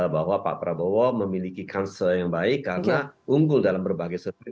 bahwa pak prabowo memiliki kansel yang baik karena unggul dalam berbagai survei